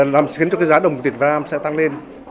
làm khiến cho cái giá đồng tiền việt nam sẽ tăng lên